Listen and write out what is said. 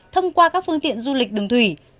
thông qua các phương tiện du lịch đường thủy